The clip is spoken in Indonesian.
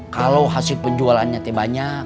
kalau hasil penjualannya banyak